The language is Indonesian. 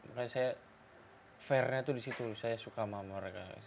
makanya saya fairnya tuh disitu saya suka sama mereka